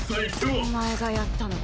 お前がやったのか？